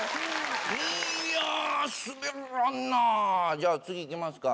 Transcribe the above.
じゃあ次いきますか。